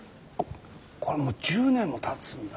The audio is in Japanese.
これもう１０年もたつんだ。